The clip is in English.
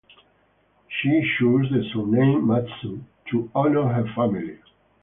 She chose the surname "Matsu" to honor her family.